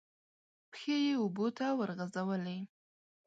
پښې یې اوبو ته ورغځولې.